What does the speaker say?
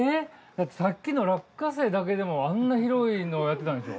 さっきの落花生だけでもあんな広いのやってたんでしょ。